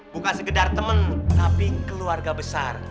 bukan sekedar temen tapi keluarga besar